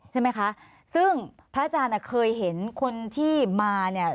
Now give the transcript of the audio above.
ใช่ไหมคะซึ่งพระอาจารย์อ่ะเคยเห็นคนที่มาเนี่ย